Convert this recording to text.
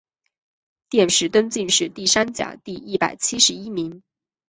殿试登进士第三甲第一百七十一名。